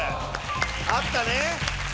あったね！